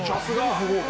不合格。